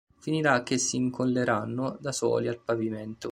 Finirà che s'incolleranno da soli al pavimento.